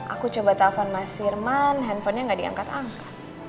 aku coba telfon mas firman handphonenya nggak diangkat angka